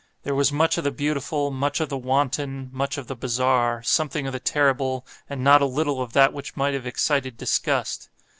There was much of the beautiful, much of the wanton, much of the bizarre, something of the terrible, and not a little of that which might have excited disgust.